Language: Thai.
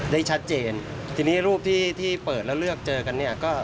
ได้ชัดเจนที่นี่รูปที่จัดเจอกัน